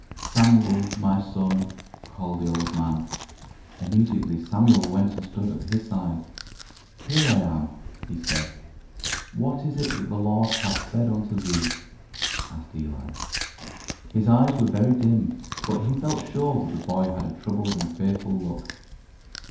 "Samuel, my son," called the old man. Immediately Samuel went and stood at his side, "Here am I," he said. "What is it that the Lord hath said unto thee?" asked Eli. His eyes were very dim, but he felt sure that the boy had a troubled and fearful look.